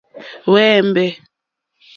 Hwémbè.